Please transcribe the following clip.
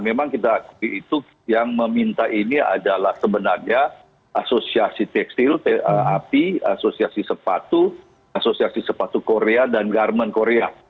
memang kita akui itu yang meminta ini adalah sebenarnya asosiasi tekstil api asosiasi sepatu asosiasi sepatu korea dan garmen korea